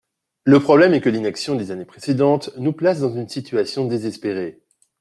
Le problème est que l’inaction des années précédentes nous place dans une situation désespérée.